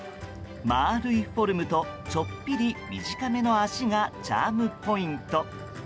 丸いフォルムとちょっぴり短めの足がチャームポイント。